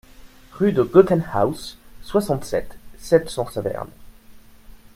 Rue de Gottenhouse, soixante-sept, sept cents Saverne